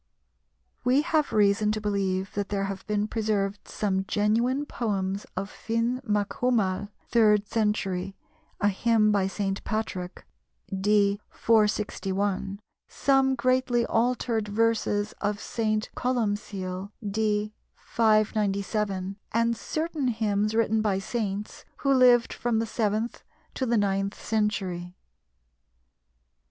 We have reason to believe that there have been preserved some genuine poems of Finn macCumaill (third century), a hymn by St. Patrick (d. 461), some greatly altered verses of St. Columcille (d. 597), and certain hymns written by saints who lived from the seventh to the ninth century.